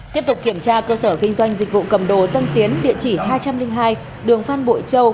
tiếp tục kiểm tra cơ sở kinh doanh dịch vụ cầm đồ tân tiến địa chỉ hai trăm linh hai đường phan bội châu